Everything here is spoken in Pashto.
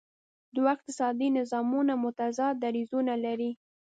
دوه اقتصادي نظامونه متضاد دریځونه لري.